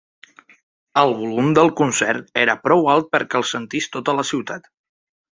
El volum del concert era prou alt perquè el sentís tota la ciutat.